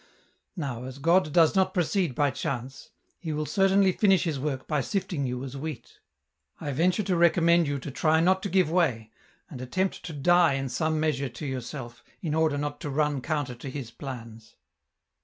Now, as God does not proceed by chance, He will certainly finish His work by sifting you as wheat. I venture to recommend you to try not to give way, and attempt to die in some measure to yourself, in order not to run counter to His plans."